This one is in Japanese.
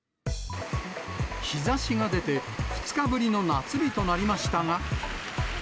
日ざしが出て、２日ぶりの夏日となりましたが。